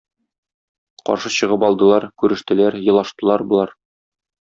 Каршы чыгып алдылар, күрештеләр, елаштылар болар.